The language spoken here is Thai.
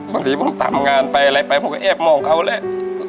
บางทีผมทำงานไปอะไรไปผมก็แอบมองเขาแหละ